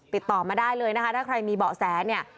ติดต่อมาได้เลยนะคะถ้าใครมีเบาะแสเนี่ย